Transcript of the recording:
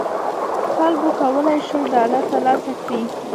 خلکو کولای شول ډالر تر لاسه کړي.